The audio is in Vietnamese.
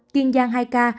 kiên giang hai ca